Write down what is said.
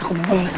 aku mau ke rumah